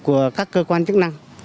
của các cơ quan chức năng